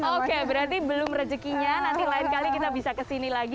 oke berarti belum rejekinya nanti lain kali kita bisa kesini lagi